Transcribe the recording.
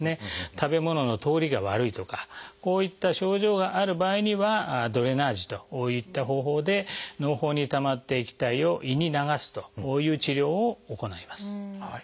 食べ物の通りが悪いとかこういった症状がある場合にはドレナージといった方法でのう胞にたまった液体を胃に流すという治療を行います。